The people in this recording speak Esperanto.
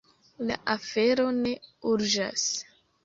La afero ne urĝas.